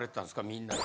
みんなに？